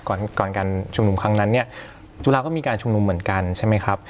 ก่อนก่อนการชุมนุมครั้งนั้นเนี่ยจุฬาก็มีการชุมนุมเหมือนกันใช่ไหมครับ